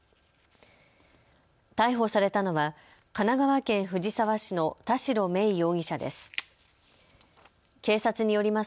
逮捕されたのは神奈川県藤沢市の田代芽衣容疑者です。